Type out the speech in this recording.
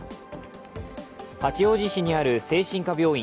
八王子市にある精神科病院